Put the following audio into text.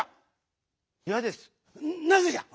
なぜじゃ？